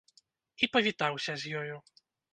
І павітаўся з ёю.